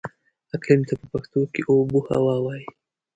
اقليم ته په پښتو کې اوبههوا وايي.